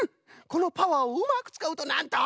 このパワーをうまくつかうとなんと！